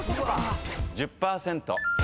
１０％。